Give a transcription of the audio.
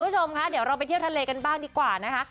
คุณผู้ชมค่ะเดี๋ยวเราไปเที่ยวทะเลกันบ้างดีกว่านะคะ